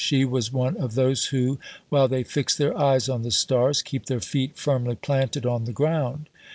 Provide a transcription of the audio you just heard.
She was one of those who, while they fix their eyes on the stars, keep their feet firmly planted on the ground.